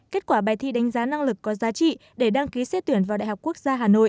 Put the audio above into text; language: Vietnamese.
kết quả bài thi đánh giá năng lực có giá trị để đăng ký xếp tuyển vào đhqh